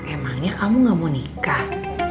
emangnya kamu gak mau nikah